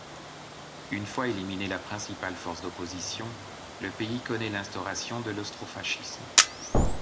Une fois éliminée la principale force d'opposition, le pays connaît l'instauration de l'austrofascisme.